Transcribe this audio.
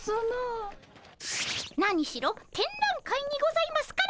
何しろ展覧会にございますから。